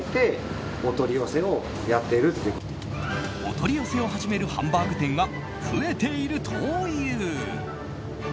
お取り寄せを始めるハンバーグ店が増えているという。